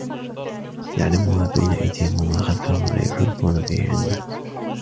يعلم ما بين أيديهم وما خلفهم ولا يحيطون به علما